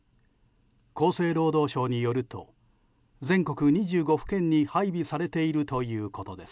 厚生労働省によると全国２５府県に配備されているということです。